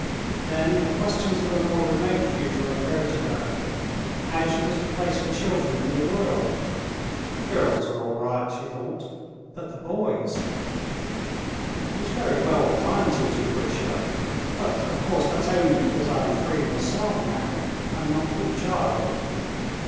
Then questions of the more remote future occurred to her: how she was to place her children in the world. "The girls are all right," she thought; "but the boys?" "It's very well that I'm teaching Grisha, but of course that's only because I am free myself now, I'm not with child.